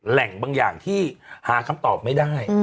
แหล่งบางอย่างที่หาคำตอบไม่ได้